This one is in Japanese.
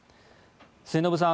末延さん